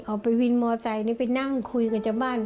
ออกไปวินมอเตยนี่ไปนั่งคุยกันจากบ้าน